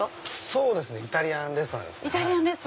そうですねイタリアンレストランですね。